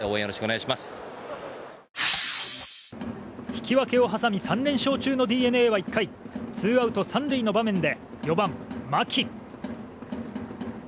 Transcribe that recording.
引き分けを挟み３連勝中のＤｅＮＡは１回ツーアウト３塁の場面で４番、牧。